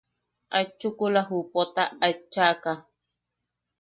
Aet chukula ju Pota aet chaʼaka.